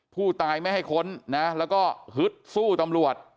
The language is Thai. ผู้ตายไม่ให้ค้นนะแล้วก็ฮึดสู้ตำรวจ